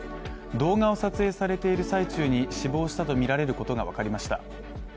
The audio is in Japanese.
動画を撮影されている最中に死亡したとみられることが分かりました。